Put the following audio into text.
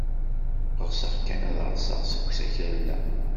Ɣseɣ kan ad rseɣ seg usakal-a.